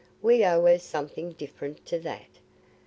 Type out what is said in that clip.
We owe her something different to that."